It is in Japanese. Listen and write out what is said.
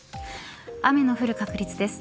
雨の降る確率です。